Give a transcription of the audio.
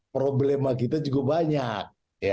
problema kita cukup banyak